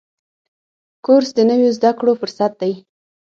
کورس د نویو زده کړو فرصت دی.